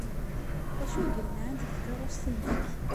D acu ay yellan deg tkeṛṛust-nnek?